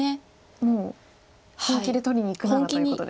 もう本気で取りにいくならということですね。